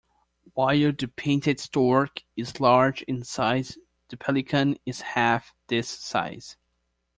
While the painted stork is large in size, the pelican is half this size.